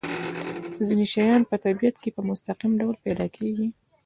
ځینې شیان په طبیعت کې په مستقیم ډول پیدا کیږي.